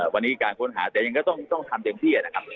วันนี้การค้นหาแต่ยังก็ต้องทำเต็มที่นะครับ